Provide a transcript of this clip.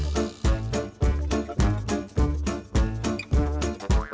มารับขอลงให้ลูกค้าครับเป็นที่นอนครับ